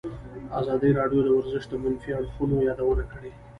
ازادي راډیو د ورزش د منفي اړخونو یادونه کړې.